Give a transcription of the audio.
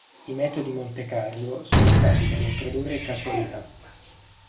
I metodi Monte Carlo sono usati per introdurre casualità.